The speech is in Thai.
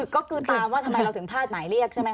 ก็คือตามว่าทำไมเราถึงพลาดหมายเรียกใช่ไหม